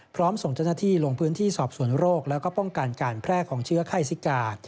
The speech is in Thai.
พร้อมส่งจนาที่ลงพื้นที่สอบส่วนโรคและป้องกันการแพร่ของเชื้อไข้ซิกา